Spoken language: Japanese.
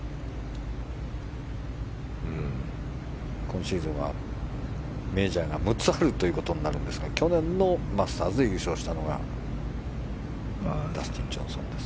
今シーズンはメジャーが６つあるということになるんですが去年のマスターズで優勝したのがダスティン・ジョンソンです。